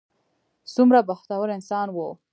څومره بختور انسان و.